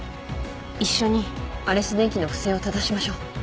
一緒にアレス電機の不正をただしましょう。